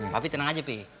tapi tenang aja p